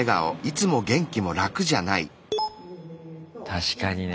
確かにね。